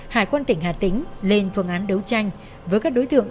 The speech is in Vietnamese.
hải quân tỉnh hà tĩnh lên phương án đấu tranh với các đối tượng